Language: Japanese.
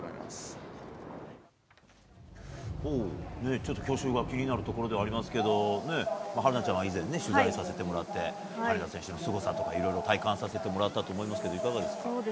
ちょっと去就が気になるところではありますけど春奈ちゃんが以前、取材させてもらって羽根田選手のすごさとかいろいろ体感したと思いますがいかがですか？